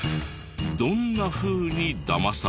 どんなふうにダマされるの？